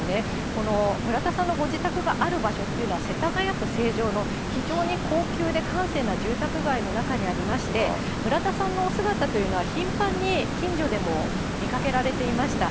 この村田さんのご自宅がある場所っていうのは、世田谷区成城の非常に高級で閑静な住宅街の中にありまして、村田さんのお姿というのは、頻繁に近所でも見かけられていました。